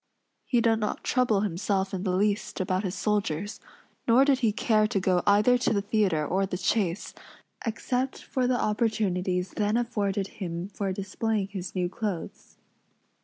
He did not trouble himself in the least about his soldiers; nor did he care to go either to the theatre or the chase, except for the opportunities then afforded him for displaying his new clothes.